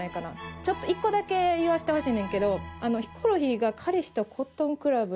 ちょっと１個だけ言わしてほしいねんけどヒコロヒーが「彼氏とコットンクラブで」。